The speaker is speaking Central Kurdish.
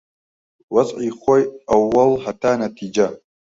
وەزعی خۆی ئەووەڵ، هەتا نەتیجە